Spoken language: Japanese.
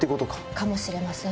かもしれません。